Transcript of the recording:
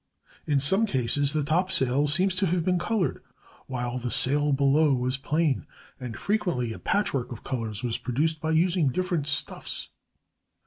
"In some cases the topsail seems to have been colored, while the sail below was plain; and frequently a patchwork of colors was produced by using different stuffs."